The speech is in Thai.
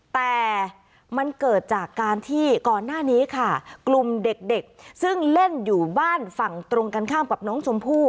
แต่มันเกิดจากการที่ก่อนหน้านี้ค่ะกลุ่มเด็กซึ่งเล่นอยู่บ้านฝั่งตรงกันข้ามกับน้องชมพู่